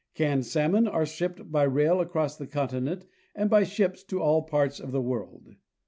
Canned salmon are shipped by rail across the continent and by ships to all parts of the world.